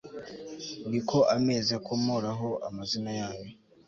ni ko amezi akomoraho amazina yayo